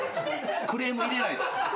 クレーム入れないっす。